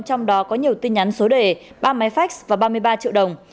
trong đó có nhiều tin nhắn số đề ba máy phách và ba mươi ba triệu đồng